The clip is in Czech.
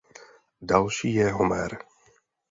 Další je Homer.